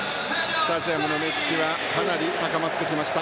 スタジアムの熱気はかなり高まってきました。